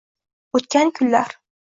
«O’tgan kunlar»